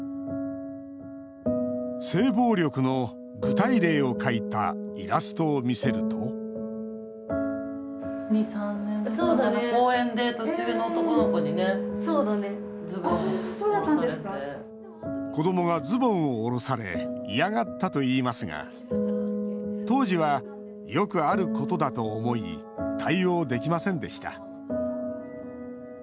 性暴力の具体例を描いたイラストを見せると子どもがズボンを下ろされ嫌がったといいますが当時は、よくあることだと思い対応できませんでした。